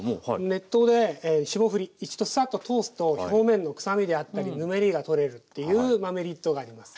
熱湯で霜降り一度サッと通すと表面のくさみであったりぬめりが取れるっていうメリットがあります。